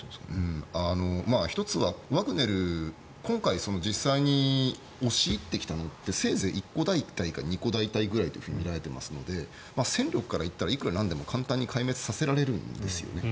１つはワグネル、今回は実際に押し入ってきたのってせいぜい１個大隊か２個大隊くらいとみられていますので戦力からいったらいくらなんでも簡単に壊滅させられるんですよね。